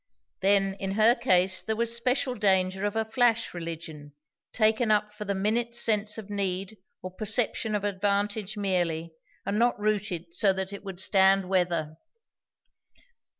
Then in her case there was special danger of a flash religion, taken up for the minute's sense of need or perception of advantage merely, and not rooted so that it would stand weather.